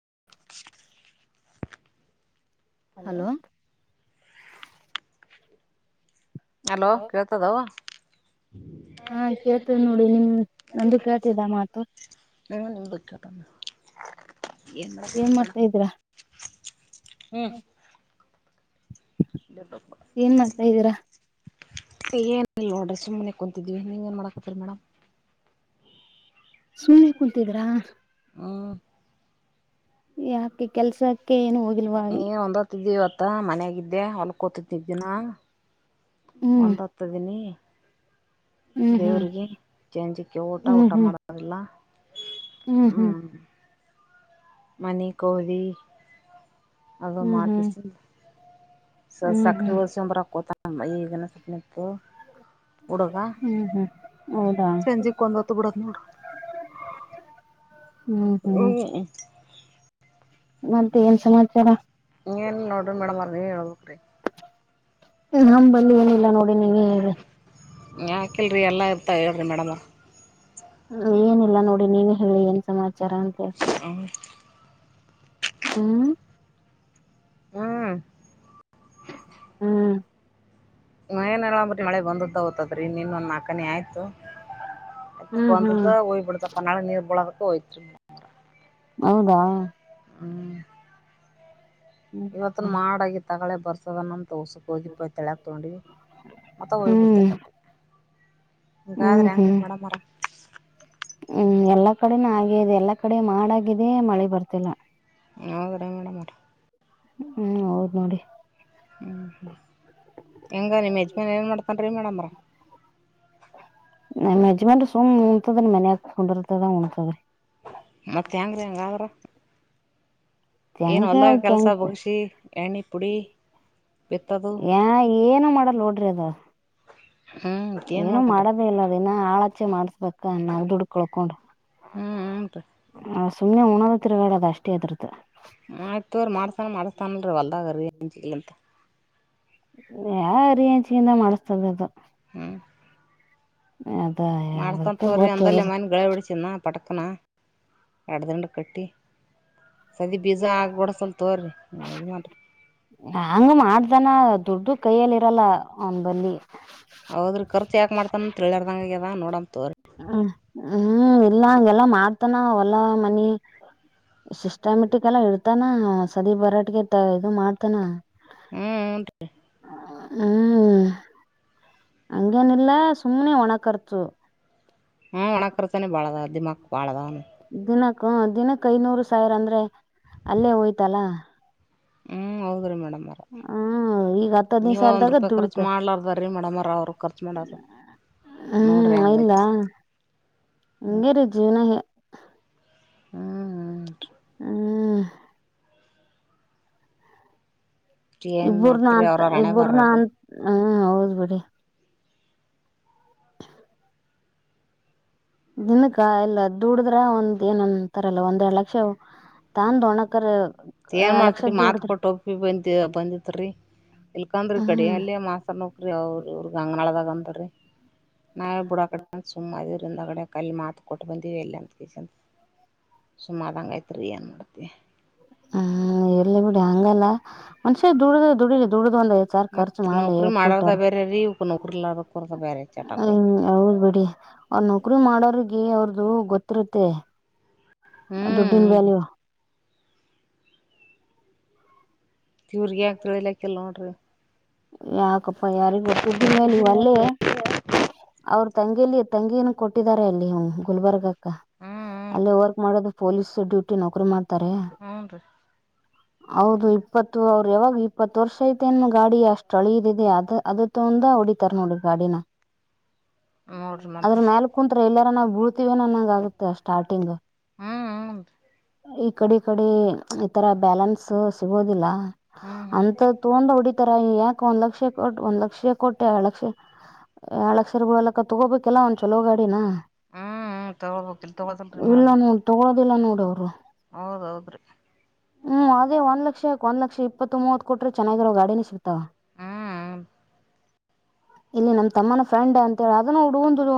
[inaudible] Hello hello ಕೇಳ್ತದಾವ. ಹಾ ಕೇಳ್ತವಿ ನೋಡಿ ನಿಮ ನಂದು ಕೇಳ್ತಿದ ಮಾತು. ಎನ್ ಏನ್ ಮಾಡುತ್ತಿದ್ದಿ ಮೇಡಂ ಮಾಡ್ತಾ ಇದೀರಾ ಹ್ಮ್. ಏನ್ ಮಾಡ್ತಾ ಇದೀರಾ [inaudible] ಏನ ಇಲ್ ನೋಡ್ರಿ ಸುಮ್ಮ್ನೆ ಕುಂತಿದ್ವಿ ನೀಂಗ ಏನ್ ಮಾಡಾಕತರಿ ಮೇಡಂ. ಸುಮ್ನೆ ಕುಂತಿದ್ರಾ. ಹ್ಮ್. ಯಾಕೆ ಕೆಲ್ಸಕ್ಕೆ ಏನು ಹೋಗಿಲ್ವಾ ಮತ್ತ ಮನಯಾಗಿದ್ದೆ ಹೊಲ್ಕೋತಿದ್ದಿದ್ದ ದಿನ ಹ್ಮ್ ಒಂದ ಹತದಿನಿ ಹ್ಮ್ ದೇವ್ರಿಗೆ ಜೇಂಜಕ್ಕೆ ಊಟ ಹ್ಮ್ ಊಟ ಹ್ಮ್ ಮಾಡದಿಲ್ಲ ಹ್ಮ್ ಹ್ಮ್ ಮಣಿಕೋಳಿ ಅದು ಹ್ಮ್ ಹ್ಮ್ ಹ್ಮ್ ಮಾಡಕಿಿಸ ಸ ಹ್ಮ್ ಹ್ಮ್ ಸಕ್ರೆ ಲ್ಸಂಬರಕೋತ ಈಗನ ಸಪ್ಪ ನಿತ್ತುು ಹಡಗ ಹ್ಮ್ ಹ್ಮ್ ಹೌದಾ ಚಂಜಿ ಕೊ ಒಂದ ಹೊತ್ತು ಬಿಡತ್ ನೋಡ ಹ ಹ್ಮ್ ಹ್ಮ್ ಮತ್ತೆ ಏನ್ ಸಮಾಚಾರ ನೀವ ಹೇಳಬೇಕ್ರಿ. ಹ್ಮ ನಂಬಂಲ್ಲಿ ಏನಿಲ್ಲ ನೋಡಿ ನೀವ ಹೇಳ್ರಿ. ಯಾಕಿಲ್ಲರಿ ಎಲ್ಲ ಇರ್ತಾ ಹೇಳ್ರರಿ ಮೇಡಮ್. ಏನಿಲ್ಲ ನೋಡಿ ನೀನು ಹೇಳಿ ಏನ್ ಸಮಾಚಾರ ಅಂತೇಳಿ ಹ್ಮ್ ಹ್ಮ್ ಹ್ಮ್ ಹ್ಮ್ ಮನಂಬ್ರಿ ಮಳೆ ಬಂದ ತಗೋತದ್ರರಿ ಇನ್ನೊಂದ ನಾಲ್ಕನೇ ಆಯ್ತು ಹ್ಮ್ ಹ್ಮ್ ಅಂದ ಓಯ್ಬಡ್ತಪ್ಪ ನಳ ನೀರು ಬಳದಕ್ಕ ಹಯತ ಹೌದಾ ಹ ಇವತ್ತನ್ ಹ್ಮ್ ಮಾಡಗ ತಗಳೆ ಬರ್ಸದ ನಮ ೋಸಕ್ಕೆ ಹೋಗಿಪ್ಪ ತಳಕ್ ತಗೊಂಡವಿ ಮತ್ತ ಹೋಗಿಬ ಹ್ಮ್ ಬಿಡ್ತೆ ಕಟ್ಟ ಹ್ಮ್ ಹಂಗಾದ್ರೆ ಹೆಂಗ್ರೀ ಹ್ಮ್ ಮಡ ಮರ ಹ್ಮ್ ಎಲ್ಲಾ ಕಡೆನೂ ಹಾಗಗೇ ಎಲ್ಲಾ ಕಡೆ ಮಾಡಾಗಿದೇ ಮಳೆ ಬರ್ತಿಲ್ಲ ಹದರೇ ಮೇಡಮ್ರ ಹ್ಮ್ ಹೌದ್ ನೋಡಿ ಹ್ಞೂ ಹ ಹೆಗೆ ನಿಮ್ಮ ಯಜ್ಮನ್ ಏನು ಮಾಡ್ತಾನ ರೀ ಮೇಡಮ್ರ ನಮ್ಮ್ ಯಜಮಾನ್ ಸುಮ್ ಉಣತದನ್ ಮನ್ಯಕ ಕುುಂದ್ರರ್ತದ ಉಣಸದ್ರಿ ಮತ್ ಹೆಂಗ್ರೀ ಏನು ಹೆಂಗ ಹೊಲ ಅವಕ್ ಕೆಲಸ ಹೆಂಗ ಮುಗಸಿ ಎಣ್ಣೆ ಪುಡಿ ಬಿತ್ತದು ಏನು ಮಾಡಲ್ ನೋಡ್ರಿ ಅದ ಹ್ಮ್ ಏನ್ ಏನು ಮಾಡ್ತನ್ರಿ ಮಾಡದೇ ಇಲ್ಲದನ್ನ ಆಾಳ ಇಚೆ ಮಾಡ್ಸ್ಬೇಕಾ ನ ದುಡ್ಡುಕೊಳ್ಕೊಂಡು ಹ್ಮ್ ಉಟು ಸುಮ್ಮನೆ ಉಣ್ಣದ ತಿರ್ಗಡೋದು ಅಷ್ಟೇ ಅದರ್ತ ಆಯ್ತು ಮಾಡ್ತಾನ ಮಾಡ್ಸ್ತಾನಲ್ರೀ ಹೊಲ್ದಾಗ್ರಂಜಂತ ಯ ರಚಿಂದ ಮಾಡಸ್ತದದು ಹ್ಮ್ ಅದ ಮಾಡ್ತಂತ ಅದಕ್ಕ ತೋ್ರಿ ಗೊತ್ತದ ಅಂದಲ್ಲೇ ಮನ್ಗಳ ಹೊಡ ಚನ್ನ ಪಟಕ್ಕನ ಎಡದುರಂಡ ಕಟ್ಟಿ ಸದಿ ಬೀಜ ಆಗ್ಬಡ ಸ್ವಲ್ ತೋರಿ್ರರಿ ಯಜಮಾಾನರಿ ಹಂಗ ಮಾಡ್ದನ ದುಡ್ಡು ಕೈಯ್ಯಲ್ಲಿ ಇರಲ್ಲ ಒಂಬಲ್ಲಿ ಹೌದ್ರಿ ಕರ್ು ಯಾಕ್ ಮಾಡತಾನ ತಿಳ್ಯರ್ದಂಗಗೆ ಅದ ನೋಡ ತೋ್ರರಿ ಹ್ಮ್ ಹ್ಮ್ ಇಲ್ಲ ಹಗೆಲ್ಲ ಮಾಡ್ತಾನ ಹೊಲ್ಲಾ ಮನಿ ಸಿಸ್ಟಮೆಟಿಕ್ ಎಲ್ಲ ಇಡ್ತಾನ ಸದ ಬರಾಟಗೆ ಇದು ಮಾಡ್ತಾನ ಹ್ಮ್ ಉಟೀ ಹ್ಮ್ ಹಂಗೇನಿಲ್ಲ ಸುಮ್ಮ್ನೆ ಒಣ ಕರ್ತು ಹ್ಮ್ ಒಣಕರ್ತಾನನೆ ಬಾಳದ ದಿಮಾಕ್ ಬಾಳದ ದಿನಕ್ಕ ದಿನಕ್ ಐನೂರು ಸಾವಿರ ಅಂದ್ರೆ ಅಲ್ಲೇ ಹೋಯ್ತಲ್ಲ ಹ್ಮ್ ಹೌದ್ರೀ ಮೇಡಮ್ ಹಾ ನೀವ ಒಂದ್ ರೂಪಾಯಿ ಖರ್ಚು ಮಾಡ್ಲಾರ್ದ್ರೀ ಮೇಡಮ್ರ ಅವರು ಖರ್ಚು ಮಾಡರು ನೋಡ್ರಿ ಹಂಗೈ್ತು ಹಂಗಗೆರಿೀ ಜೀವ್ನ ಹ್ಮ್್ಮ ಹ್ಮ ಹ್ಞೂ ಏನು ಇಬ್ರನ ಮಾಡ್ತೀರಿ ಅಂತ ಅವ್ರವ್ರ ಹಣೆ ಇಬ್ಬ್ರನ ಬರ್ರ ರೀ ಅ ಹ್ಮ ಹೌದ್ ಬಿಡಿ ದಿನಕ ಎಲ್ಲ ದುಡದ್ರ ಒಂದ್ ಏನಂತಾರಲ್ಲ ಒಂದೆರಡ್ ಲಕ್ಷ ತಾ ದೋಣಕರ್ ಏನ್ ಮಾಡ್ತ್ರಿ ಮಾತ್ ಎಳಕ್ಷದ್ದಡದ್ರ ಕೊಟ್ಟ ಇಲ್ಕಂದರಿ ಕಡೆ ಅಲ್ಲಿೇ ಮಾಸ್ತರ್ ನೋಕ್ರಿ ಅವ ಇ್ರಗ್ ಅಂಗ್ನಾಳದಾಗ ಅಂತರಿ ನಾವೇ ಬುಡೋ ಕಡೆ ಸುಮ್ಮ್ ಇ ಅಡೆ ಕಲ್ಲಿ ಮಾತ ಕೊಟ್ಟಬಂದ ಅಂತ ಕೆ ಸುಮಧಂಗ ಐತ್ ರೀ ಅ ಮಾಡ ಹ್ಮ ಎಲ್ಲಿ ಬಿಡಿ ಹಂಗಲ್ಲ ಮನ್ಷ್ಯೆ ದುಡ್ದ ದುಡಿಲಿ ದುಡ್ದ ಒಂದ ಐದ್ ಸಾರ್ ಖರ್ಚು ಮತ್ತ ಮಾಡ್ಲಿ ನೌಕರಿ ಮಾಡೋದ ಎಟ್ಬಿಟ್ಟಾರ ಬೇರೆ ರೀ ಇವಕ್ ನೌಕರಿ ಇರ್ಲಾರ್ದಕ್ಕರ್ದ ಬೇರೆ ಚಟಗಳು ಹ್ಮ್ ಹೌದ್ ಬಿಡಿ ಅವ್ರ ನೌಕರಿ ಮಾಡೋರ್ಿಗೆ ಅವ್ರ ಅದು ಗೊತ್ತಿರುತ್ತೆ ಹ್ಮ್ ದುಡ್ಡಿನ ಹದು ವ್ಯಾಲ್ಯೂ ಕವರ್ಗಿ ಆಗ್ತಳ ಇಲ್ಲಾಕಲ್ ನೋಡ್ರಿ ಯಾಾಗಪ್ಪ ಅಪ್ಪ ಯಾರಿಗ ದುಡ್ಡಿನ ಮೇಲೆ ಇವ ಅಲ್ಲೇ ಅವ್ರ ತಂಗಿಯಲ್ಲಿ ತಂಗಿಯನ್ನು ಕೊಟ್ಟಿದಿದ್ದಾರೆ ಅಲ್ಲಿ ಗುಲ್ಬರ್ಗಕ್ಕ ಹ್ಮ್ ಅಲ್ಲಿ ವರ್ಕ್ ಮಾಡೋದು ಪೊಲೀಸ್ ಡ್ಯೂಟಿ ನೌಕರಿ ಮಾಡ್ ಹ್ನ್ ರೀ ಹೌದು ಇಪ್ಪತ್ತು ಅವರು ಯಾವಾಗ ಇಪ್ಪತ್ತು ವರ್ಷ ಐತೆ ಇನ್ನು ಗಾಡಿ ಅಷ್ಟ ಹೊಳಿಯಿದೆ ಅದು ತಂದ ಹೊಡಿತಾರ ನೋಡಿ ಗಾಡಿನ ನೋಡ್ರಿ ಮತ್ತ ಅದ್ರ ಮೇಾಲ ಕುಂತ್ರ ಎಲ್ಲಾರ ನಾವ ಬೀಳ್ತವನ ನನ್ನಂಗ ಆಗುತ್ತೆ ಸ್ಟಾರ್ಟಿಂಗ್ ಹ್ಮ್ ಹೂನ್ರಿ ಹ ಕಡೆ ಕಡೆ ಈತರ ಬ್ಯಾಲೆನ್ಸ್ ಸಿಗೋದಿಲ್ಲ ಹ್ಮ್ ಅಂತ ಹ್ಮ್ ತೊೊಂಡ ಹೊಡಿತರ ಯಾಕ ಒಂದ್ ಲಕ್ಷ ಕೋ ಒಂದ್ ಲಕ್ಷ ಕೋಟಿ ಎರಡು ಲಕ್ಷ ಎಳಕ್ ಸರ್ ಬಿಳಲಕ್ಕ ತಗೋಬೇಕಲ್ಲ ಒಂದ್ ಚೊಲೋ ಗಾಡಿನ ಹ್ಮ್ ತಗೊಳ್ಬೇಕ ಇಲ್ ತಗೋದಲ್ರಿ ಇಲ್ಲ ನೋಡಿ ತಗೋದಿಲ್ಲ ನೋಡವ್ರು ಹೌದೌದ್ರಿ ಹ್ಮ್ ಅದೇ ಒಂದ್ ಲಕ್ಷ ಯಾಕ ಒಂದ್ ಲಕ್ಷ ಇಪ್ಪತ್ತು ಮೂವತ್ ಕೊಟ್ರೆ ಚೆನ್ನಾಗಿರೋ ಗಾಡಿನ ಸಿಗ್ತಾವ ಹ್ಮ್ ಇಲ್ಲಿ ನಮ ತಮ್ಮನ ಫ್ರೆಂಡ್ ಅಂತ ಹೇಳಿ ಅದನ್ನು ಹುಡುಂದುುದು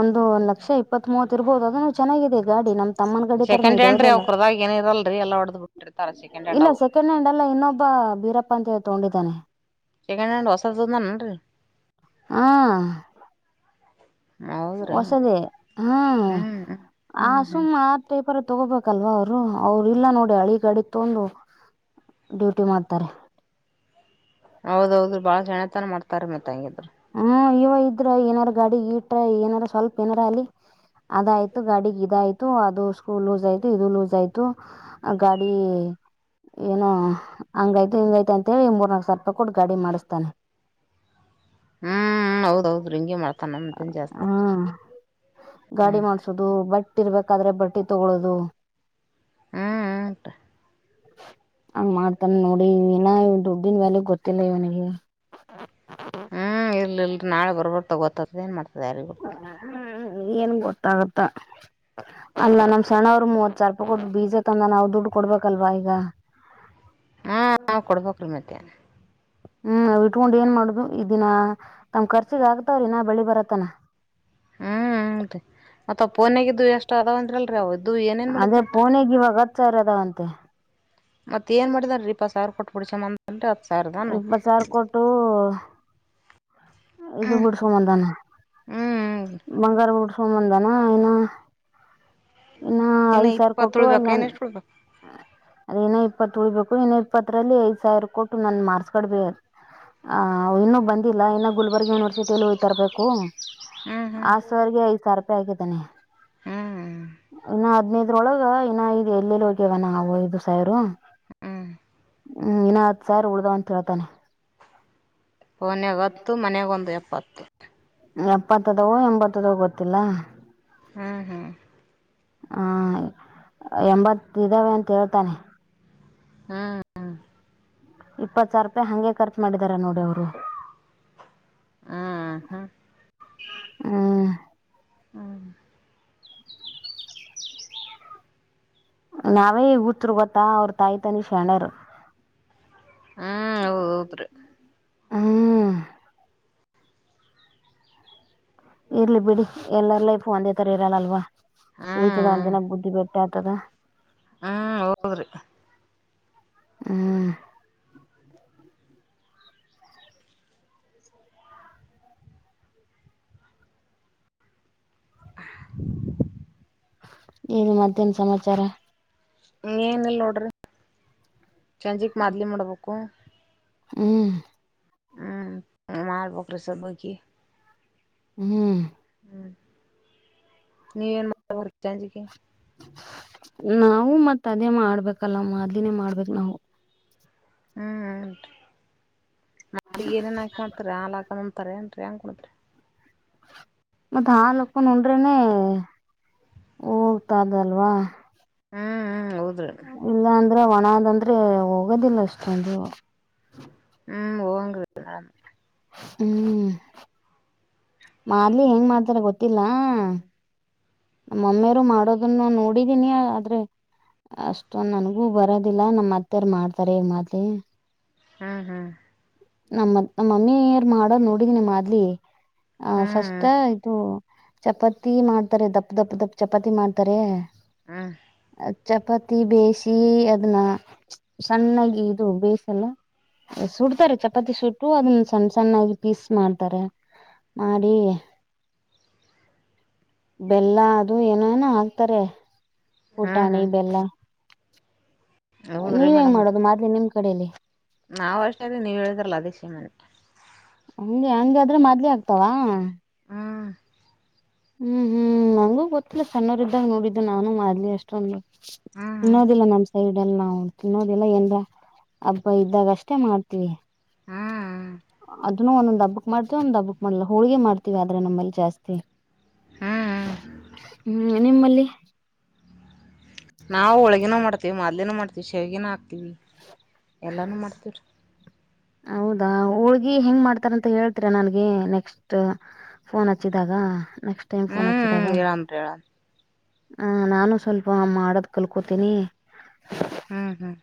ಒಂದುಂದು ಲಕ್ಷ ಇಪ್ಪತ್ ಮೂವತ್ ಇರ್ಬಹುದು ಅದುನ್ನು ಚೆನ್ನಾಗಾಗಿದೆ ಗ ನ ತಮ್ಮ ಗಾ ಸೆಕೆಂಡ್ ಹ್ಯಾಂಡ್ ರೀ ತರ ಅವ್ ಕರ್ದಾಗ ಏನ ಇರಲ್ರಿ ಎಲ್ಲ ಹೊಡ್ದ್ ಬಿಟ್ಟಿರ್ತಾರ ಸೆಕೆಂಡ್ ಹ್ಯಾಂಡ್ ಇಲ್ಲ ಅವು ಸೆಂಡ್ ಹ್ಲ್ಲ ಇನ್ನೊಬ್ಬ ಬೀರಪ್ಪ ಅಂತ ತಗೊಂಡಿದ್ದಾನೆ ಸೆಕಂಡ್ ಹ್ಯಾಂಡ್ ಹೊಸದಂದ ನನ್ರಿ ಹಾ ಹೌದ್ರಿ ಹೊಸದೇ ಹಾ ಹ್ಮ್ ಆ ಹ್ಮ್ ಹ್ಮ್ ಸುಮ್ಮ್ ಆಪರು ತಗೋಬೇಕಲ್ವಾ ಅವ್ರು ಅವರು ಇಲ್ಲ ನೋಡಿ ಹಳಿ ಗಾಡಿ ತೊಂದು ಡ್ಯೂಟಿ ಮಾಡ್ತಾರೆ ಹೌದೌದು ಬಾಳ ಜಣತನ ಮಾಡ್ತಾರೆ ಮತ್ತೆ ಹಂಗಿದ್ರು ಹ್ಮ ಇವ ಇದ್ರ ಏನಾರ ಗಾಡಿ ಗೀಟ್ರ ಏನಾರ ಸ್ವಲ್ಪ ಏನಾರ ಅಲ್ಲಿ ಅದಯ್ತು ಗಾಡಿಗೆ ಇದಯ್ತು ಅದು ಸ್ಕೂಲ್ ಲೂಸ್ ಆಯ್ು ಇದು ಲೂಸ್ ಆಯ್ತು ಗಾಡಿ ಏನು ಹಂಗಯ್ತು ಹಿಂಗಯ್ತ ಅಂತೇಳಿ ಮೂರ್ನಾಲ್ಕ ಸರ್ ಹಕಟ್ಟು ಗಾಡಿ ಮಾಡಿಸ್ತಾನೆ ಹ್ಮ್ ಹೌದೌದ್ರಿ ಹಿಂಗೆ ಮಾಡ್ತಾನ ನಮತನ್ ಜಾಸ್ತಿ ಹ್ಮ ಗಾಡಿ ಮಾಡ್ಸೋದು ಬಟ್ಟಿ ಇರ್ಬೇಕಾದ್ರೆ ಬಟ್ಟೆ ತಗೊಳ್ಳೋದು ಹ್ಮ್ ಹಂಗ ಮಾಡ್ತಾನ ನೋಡಿ ಏನ ದುಡ್ಡನ್ ವ್ಯಾಲಯಗ್ ಗೊತ್ತಿಲ್ಲ ಇವನಿಗೆ ಹ್ಮ್ ಇಲ್ ಇಲ್ರಿ ನಾಳೆ ಬರ್ಬಾರ ತಗೋತದ ಏನ್ ಮಾಡ್ತದೆ ಯಾರಿ ಹ್ಮ್ ಏನ್ ಗೊತ್ತಾಗತ್ತ ಅಲ್ಲ ನಮ್ ಸಣವ ಮೂವತ್ ಸಾವಿರ ರೂಪಾಯಿ ಕೊಟ್ಟು ಬೀಜ ತಂದ ನಾವು ದುಡ್ಡು ಕೊಡ್ಬೇಕಲ್ವಾ ಈಗ ಹಾ ನ ಕೊಡ್ಬೇಕ್ರೀ ಮಧ್ಯಾಹ್ ಹ್ಮ್ ಇಟ್ಕೊಂಡು ಏನ್ ಮಾಡುದು ಇದ ದಿನ ತಮ್ ಖರ್ಚಿಗೆ ಆಗ್ತಾವ್ರಿ ನಾ ಬೆಳಿ ಬರತನ ಹ್ಮ್ ಹದ ಮತ್ತತ್ಪ್ಪ ನ್ಾಗಿದ್ದದು ಎಷ್ಟು ಅದಾವ ಅಂದ್ರಲ್ರಿ ಅವ್ದ ಏನೇಏನ್ ಅದೇ ಮಾಡಿದ್ನತ್ರ ಫೋನಿಗೆ ಇವಾಗ ಹತ್ ಸಾವಿರ ಅದಾವಂತೆ ಮತ್ತತ್ ಏನ್ ಮಾಡಿದಾರೀಪ್ಪತ್ ಸಾವಿರ ಕೊಟ್ಬಿಡ್ ಚಮ್ಮಂದನ್ರಿ ಹತ್ ಸಾವಿರದಾನ ಇಪ್ಪತ್ ಸಾವಿರ ಕೊಟ್ಟು ಇದು ಹ್ಮ್ ಬಿಡ್ಸಬಂಧಾನ ಹ್ಮ್ ಬಂಗಾರ ಬಿಡ್ಸಬಂಧ ಾನ ಏನ ಇನ್ನು ಐದ್ ಸಾವಿರ ಇಪ್ಪತ್ತು ಕೊಟ್ಟು ಅಲ್ಲಿ ಉಳ್ಬೇಕ ನಾನ್ ಏನ್ ಎಷ್ಟು ಉಳ್ಬೇಕು ಅದೇನ ಇಪ್ಪತ್ತು ಉಳಬೇಕು ಇ ಇಪ್ಪತ್ತರಲ್ಲಿ ಐದ್ ಸಾವಿರ ಕೊಟ್ಟು ನ ಮಾರ್ಸ್ ಕಬ ಆ ಇನ್ನುೂ ಬಂದಿಲ್ಲ ಇ ಗುಲ್ಬರ್ಗ್ ಯೂನಿವರ್ಸಿಟಿಲ್ಲಿ ಐ್ತರ ಬು ಹ್ಮ್ ಆ ಸರ್ರಿಗೆ ಐದ ಸಾವರ ರೂಪಾಯಿ ಆಗಿದ್ದಾನೆ ಹಾ ಇನ್ನು ಹದ್ನೈದ್ರೊಳಗ ಇನ್ನ ಇ ಎಲ್ಲೆಲ್ಲಿ ಹೋಗ್ಯವ ನ ನಾವು ಐದು ಸಾವಿರು ಹ್ಮ್ ಹ್ಮ್ ಇನ್ನ ಹತ್ ಸ ಉಳ್ದಾವ ಅಂತ ಹೇಳ್ತಾನೆ ಫನ್ಾಗ ಹತ್ತು ಮನಾಗೊಂದು ಎಪ್ಪತ್ತು ಎಪ್ಪತ್ತದೋ ಎಂಬತ್ತದೋ ಗೊತ್ತಿಲ್ಲ ಹ್ಮ್ ಹ್ಮ್ ಹಾ ಎಂಬತ್ ಇದಾವೆ ಅಂತ ಹೇಳ್ತಾನೆ ಹ್ಮ್ ಹ್ಮ್ ಇಪ್ಪತ್ ಸಾವಿರ ರೂಪಾಯಿ ಹಗೆ ಖರ್ಚು ಮಾಡಿದಾರ ನೋಡಿ ಅವರು ಹ್ಮ್ ಹ್ಮ್ ಹ್ಮ್ ಹ್ಮ ನಾವೇ ಊತ್ರು ಗೊತ್ತಾ ಅವ್ರ ತಾಯಿ ತನಿ ಶಣರು ಹ್ಮ್ ಹೌದ್ರಿ ಹ್ಮ ಇರ್ಲಿ ಬಿಡಿ ಎಲ್ಲರ್ ಲೈಫ ಒಂದೇ ತರ ಇರಲ್ಲಲ್ವ ಕೀತದ ಒಂದಿನ ಬುದ್ದಿ ಬಿಟ್ಟ ಎತದ ಹ್ಮ ಹೌದ್ರಿ ಹ್ಮ್ [inaudible] ಇದು ಮಧ್ಯಾಹ್ನ ಸಮಾಚಾರ ಏನಲ್ ನೋಡ್ರಿ ಚಂಜಿಕ್ ಮದ್ಲಿ ಮಾಡ್ಬೇಕು ಹ್ಮ್ ಹ್ಮ್ ಮಾಡಬೇಕ್ರಸಬಕಿ ಹ್ಮ್ ನೀ ಇನ್ ಮಾಡರ್ ಚಜಿಕ ನಾವು ಮತ್ತತ್ ಅದೇ ಮಾಡ್ಬೇಕಲ್ಲ ಅದಿನೇ ಮಾಡ್ಬೇಕು ನಾವು ಹ್ಮ್ ನ್ರಿ ನ ಏನೇನ್ ಹಾಕ ಮಾಡ್ತಾರ ಹಾಲ್ ಹಾಕಂತಾರ ಏನ್ರಿಂಗ ಹಿದ ಮತ್ತತ್ ಹಾಲ್ಕ್ಕಂಡ್ರೇನೆೇ ಹೋಗ್ತಾದಲ್ವಾ ಹ್ಮ್ ಹ್ಮ್ ಹೌದ್ರಿ ಇಲ್ಲಾ ಅಂದ್ರೆ ಒಣದಂದ್ರೆ ಆದ್ರೆ ಹೋಗೋದಿಲ್ಲ ಅಷ್ಟೊಂದು ಹ್ಮ್ ಹಓಂಗುದು ಹ್ಮ್ ಮಾರ್ಲಿ ಹೆಂಗ್ ಮಾಡ್ತಾರ ಗೊತ್ತಿಲ್ಲ ನಮ್ಮಮ್ಮಿಯರು ಮಾಡೋದನ್ನು ನೋಡಿದೀನಿಯ ಆದ್ರೆ ಅಷ್ಟೊಂದ ನನ್ಗೂ ಬರೋದಿಲ್ಲ ನಮ್ಮ್ ಅತ್ತಾರ್ ಮಾಡ್ತಾರೆ ಈ ಮಾತಿ ಹ್ಮ್ ಹ್ಮ್ ನಮ್ಮ ನಮ್ಮ ಮಮ್ಮಿ ಯಾರ ಮಾಡೋದು್ ನೋಡಿದನಿಮ್ಮದ್ಲಿ ಆ ಹಾ ಫಸ್ಟ್ ಇದು ಚಪಾತಿ ಮಾಡ್ತಾರೆ ದಪ್ಪ ದಪ್ಪ ದಪ್ಪ ಚಪಾತಿ ಮಾಡ್ತಾರೆ ಹಾ ಚಪಾತಿ ಬೇಯ ಅದ್ನ್ನ ಸಣ್ಣಾಗಿ ಇದು ಬೇಸ ಸುಡ್ತಾರೆ ಚಪಾತಿ ಸುಟ್ಟು ಅದನ್ನ ಸಣ್ಣ ಸಣ್ಣಾಗಿ ಪೀಸ್ ಮಾಡ್ತಾರೆ ಮಾಡರಿ ಬೆಲ್ಲ ಅದು ಏನೋ ಏನೋ ಹಾಕ್ತಾರೆ ಹಾ ಹಾ ಊಟಾಣಿ ಬೆಲ್ಲ ಹೌದ್ರಿ ನೀವ ಹೆಂಗ್ ಮೇಡಮ್ ಅವ್ರ ಮಾಡೋದು ಮದ್ಲಿ ನಿಮ್ ಕಡಲಿ ನಾವ್ ಅಷ್ಟ ಇದೇವಿ ನೀವ ಹೇಳಿದ್ರಲ್ಲ ಅದೇ ಶೀಮನೆ ಹಂಗೆ ಹಂಗಾದ್ರೆ ಮಾದ್ಲಿ ಆಗ್ತಾವ ಹ್ಮ್ ಇಲ್ಲ ಸಣ್ಣೋರ ಇದ್ದಾಗ ನೋಡಿದ್ದು ನಾನು ಮಾಡ್ಲಿ ಅಷ್ಟೊಂದು ಹ್ಮ್ ತಿನ್ನೋದಿಲ್ಲ ನಮ್ಮ್ ಸೈಡ್ ಅಲ್ಲಿ ನಾವು ತಿನ್ನೋದಿಲ್ಲ ಏನ್ರ ಹಬ್ಬ ಇದ್ದಾಗ ಅಷ್ಟೇ ಮಾಡ್ತೀವಿ ಹ್ಮ್ ಒಂದೊಂದ ಹಬ್ಕ್ ಮಾಡ್ತೀವಿ ಒಂದ ಹಬ್ಕ್ ಮಾಡಲ್ಲ ಹೋಳ್ಗೆ ಮಾಡ್ತೀವಿ ಆದ್ರೆ ನಮ್ಮಲ್ಲಿ ಜಾಸ್ತಿ ಹ್ಮ್ ಹ್ಮ್ ನಿಮ್ಮಲ್ಲಿ ನಾವು ಒಳಗಿನೂ ಮಾಡ್ತೀವಿ ಮೊದ್ಲಿನ ಮಾಡ್ತೀವಿ ಶಾವ್ಗನ ಹಾಕ್ತಿೀವಿ ಎಲ್ಲಾನೂ ಮಾಡ್ತೀವ್ರೀ ಹೌದಾ ಹೋಳ್ಗಿ ಹೆಂಗ್ ಮಾಡ್ತಾರಂತ ಹೇಳ್ತೀರ ನನ್ಗೆ ನೆಕ್ಸ್ಟ್ ಫೋನ್ ಹಚ್ಚಿದಾಗ ನೆಕ್ಸ್ಟ್ ಟೈಮ್ ಫೋನ್ ಹ್ಮ್ ಹಚ್ಚಿದಾಗ ಹೇಳನ್ರಿ ಹೇಳನ್ ಹ ನಾನು ಸ್ವಲ್ಪ ಮಾಡೋದ ಕಲ್ಕೋತೀನಿ ಹ್ಮ್ ಹ್ಮ್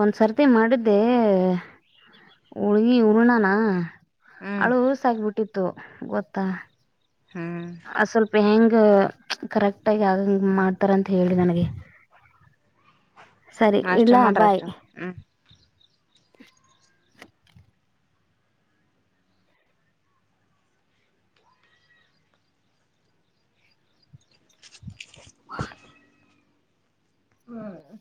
ಒಂದ್ಸರ್ತಿ ಮಾಡಿದ್ದೆ ಹುಳ್ಗಿ ಉರ್ಣಾನ ಹ್ಮ್ ಅಳು ಸಕಬಿಟ್ಟಿತ್ತು ಗೊತ್ತಾ ಹ್ಮ್ ಅ ಸ್ವಲ್ಪ ಹೆಂಗ ಕರೆಕ್ಟ್ ಆಗಿ ಆಗಂಗ ಮಾಡ್ತಾರ ಅಂತ ಹೇಳಿ ನನಗೆ ಸರಿ ಇಲ್ಲ ಅಷ್ಟೇ ಮಾಡ್ರಿ ಬಾಯ್ ಅಷ್ಟೇ ಹ್ಮ್ ಬ ಹ್ಮ್